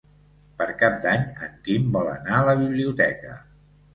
Per Cap d'Any en Quim vol anar a la biblioteca.